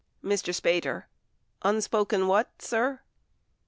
Mr. Spater. Unspoken what, sir?